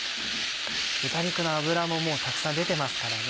豚肉の脂ももうたくさん出てますからね。